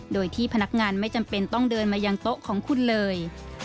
โดยที่พนักงานไม่จำเป็นต้องเดินมายังโต๊ะของคุณเลย